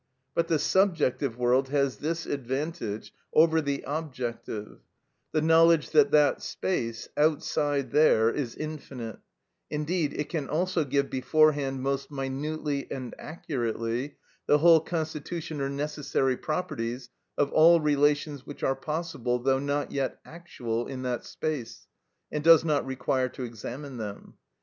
But the subjective world has this advantage over the objective, the knowledge that that space, outside there, is infinite; indeed it can also give beforehand most minutely and accurately the whole constitution or necessary properties of all relations which are possible, though not yet actual, in that space, and does not require to examine them.